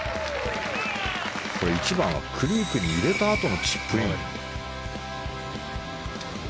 これ、１番はクリークに入れたあとのチップイン。